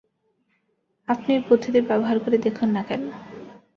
আপনি ঐ পদ্ধতি ব্যবহার করে দেখুন না কেন।